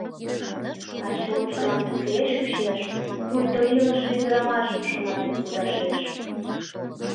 А чонжылан туге чучеш, пуйто илыше ӱдырамашым шыматен кудашеш.